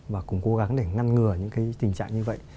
và cùng cố gắng để ngăn ngừa những cái tình trạng như vậy